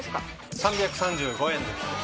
３３５円です。